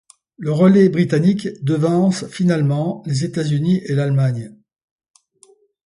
Le relais britannique devance finalement les États-Unis et l'Allemagne.